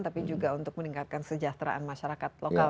tapi juga untuk meningkatkan kesejahteraan masyarakat lokal